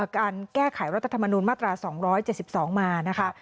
การแก้ไขรัฐธรรมนูญมาตรา๒๗๒มานะคะ